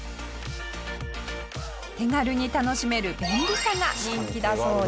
手軽に楽しめる便利さが人気だそうです。